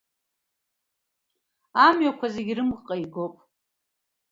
Амҩақәа зегьы Римҟа игоуп!